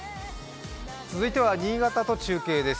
続いては新潟と中継です。